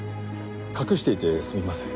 隠していてすみません。